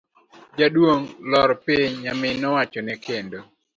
Jaduong' lor piny, nyamin nowachone kendo.